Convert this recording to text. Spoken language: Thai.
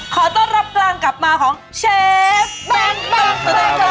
ขอต้อนรับกลางกลับมาของเชฟ